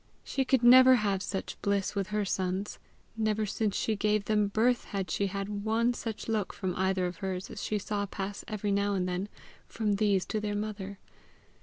She could never have such bliss with her sons! Never since she gave them birth had she had one such look from either of hers as she saw pass every now and then from these to their mother!